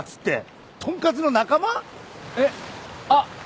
えっあっ！